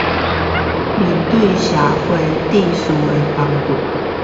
面對社會秩序崩潰